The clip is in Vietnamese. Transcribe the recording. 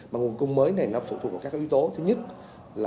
và nguồn cung mới này nó phụ thuộc vào các yếu tố